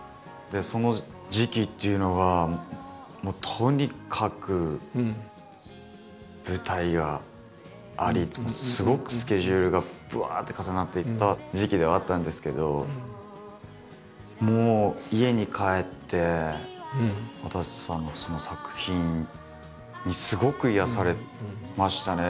その時期っていうのがもうとにかく舞台がありすごくスケジュールがぶわって重なっていた時期ではあったんですけどもう家に帰ってわたせさんの作品にすごく癒やされましたね。